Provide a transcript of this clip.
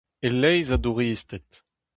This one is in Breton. E-leizh a douristed.